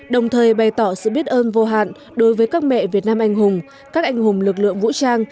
đồng thời bày tỏ sự biết ơn vô hạn đối với các mẹ việt nam anh hùng các anh hùng lực lượng vũ trang